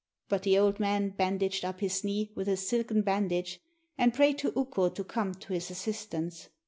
But the old man bandaged up his knee with a silken bandage, and prayed to Ukko to come to his assistance.